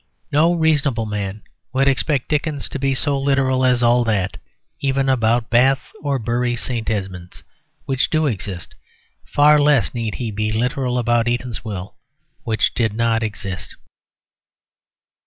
No reasonable man would expect Dickens to be so literal as all that even about Bath or Bury St. Edmunds, which do exist; far less need he be literal about Eatanswill, which didn't exist.